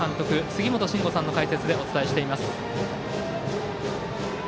杉本真吾さんの解説でお伝えしています。